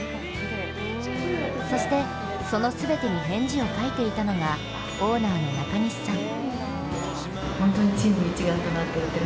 そして、その全てに返事を書いていたのがオーナーの中西さん。